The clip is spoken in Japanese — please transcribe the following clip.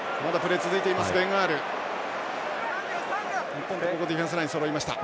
日本、ディフェンスラインそろいました。